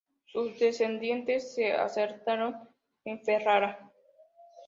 Sus descendientes se asentaron en Ferrara.